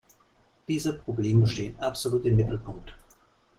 Diese Probleme stehen absolut im Mittelpunkt.